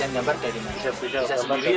latihan gambar dari mana